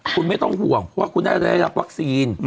คุณไม่ต้องห่วงว่าคุณน่าจะได้รับวัคซีน